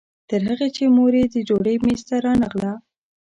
تر هغې چې مور یې د ډوډۍ میز ته رانغله.